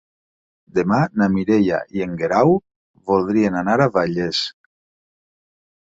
Demà na Mireia i en Guerau voldrien anar a Vallés.